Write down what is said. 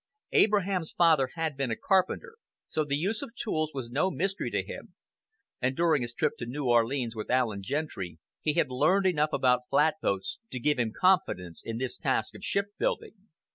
Abraham's father had been a carpenter, so the use of tools was no mystery to him; and during his trip to New Orleans with Allen Gentry he had learned enough about flatboats to give him confidence in this task of shipbuilding.